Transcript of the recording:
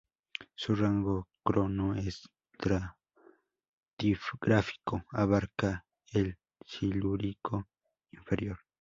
Su rango cronoestratigráfico abarca el Silúrico inferior.